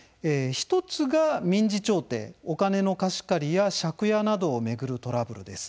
１つが民事調停お金の貸し借りや借家などを巡るトラブルです。